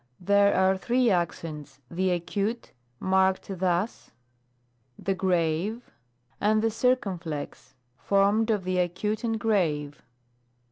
There are three accents ; the acute, marked thus ('), the grave ('), and the circumflex, formed of the acute and grave